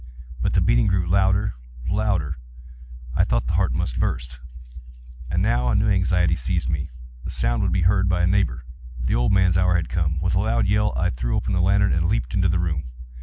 But the beating grew louder, louder! I thought the heart must burst. And now a new anxiety seized me—the sound would be heard by a neighbour! The old man's hour had come! With a loud yell, I threw open the lantern and leaped into the room.